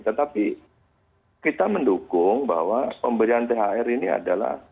tetapi kita mendukung bahwa pemberian thr ini adalah